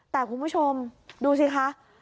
แต่คุณผู้ชมดูสิคะ